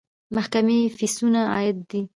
د محکمې فیسونه عاید دی